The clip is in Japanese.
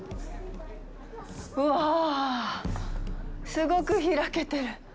すごく開けてる！